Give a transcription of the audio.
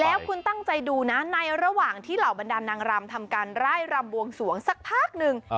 แล้วคุณตั้งใจดูนะในระหว่างที่เหล่าบรรดาลนางรำทำการไล่รำบวงสวงสักพักหนึ่ง